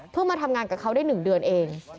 มาทำงานกับเขาได้๑เดือนเอง